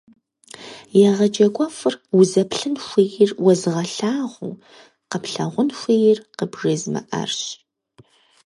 Егъэджакӏуэфӏыр – узэплъын хуейр уэзыгъэлъагъуу, къэплъагъун хуейр къыбжезымыӏэрщ.